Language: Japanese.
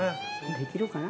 できるかな？